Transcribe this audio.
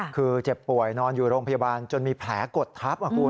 คือเจ็บป่วยนอนอยู่โรงพยาบาลจนมีแผลกดทับ